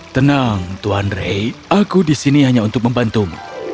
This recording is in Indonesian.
tenang tuan rey aku di sini hanya untuk membantumu